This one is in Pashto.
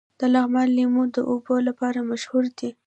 د لغمان لیمو د اوبو لپاره مشهور دي.